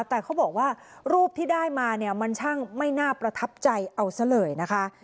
แต่เขาบอกว่ารูปที่ได้มาเนี่ยมันช่างไม่น่าประทับใจเอาซะเลยนะคะ